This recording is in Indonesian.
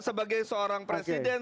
sebagai seorang presiden